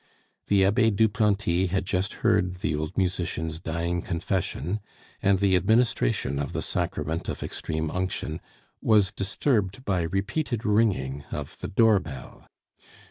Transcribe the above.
The Abbe Duplanty had just heard the old musician's dying confession, and the administration of the sacrament of extreme unction was disturbed by repeated ringing of the door bell.